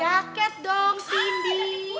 jaket dong simbi